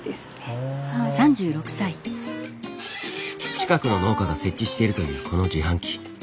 近くの農家が設置しているというこの自販機。